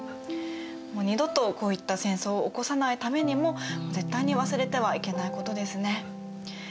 もう二度とこういった戦争を起こさないためにも絶対に忘れてはいけないことですね。